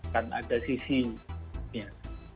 dan ada sisinya